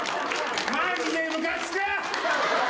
マジでムカつく！